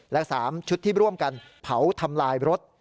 และ๓ชุดที่ร่วมกันเผาทำลายรถ